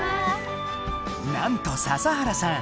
なんと笹原さん